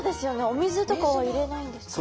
お水とかは入れないんですか？